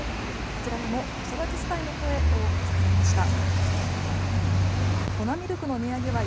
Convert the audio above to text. こちらでも子育て世帯の声、多く聞かれました。